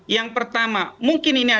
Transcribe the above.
yang pertama mungkin ini adalah